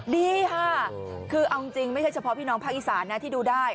ดีค่ะคือเอาจริงไม่ใช่เฉพาะพี่น้องภาคอีสานนะที่ดูได้